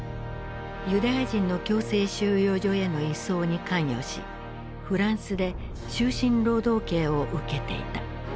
ユダヤ人の強制収容所への移送に関与しフランスで終身労働刑を受けていた。